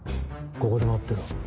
ここで待ってろ。